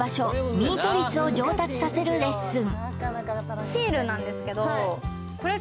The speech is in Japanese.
ミート率を上達させるレッスン